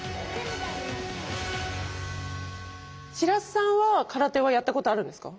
白洲さんは空手はやったことあるんですか？